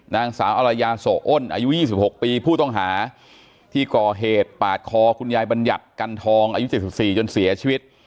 นางสาวอรยาโสอ้นอายุ๒๖ปีผู้ต้องหาที่ก่อเหตุปาดคอคุณยายบัญญัติกันทองอายุ๗๔จนเสียชีวิต